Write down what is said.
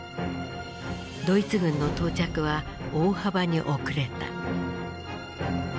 ドイツ軍の到着は大幅に遅れた。